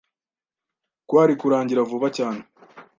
kwari kurangira vuba cyane